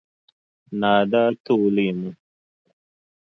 Naa daa ti o leemu.